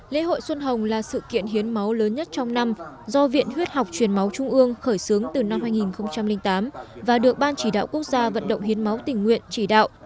lễ hội xuân hồng là sự kiện hiến máu lớn nhất trong năm do viện huyết học truyền máu trung ương khởi xướng từ năm hai nghìn tám và được ban chỉ đạo quốc gia vận động hiến máu tình nguyện chỉ đạo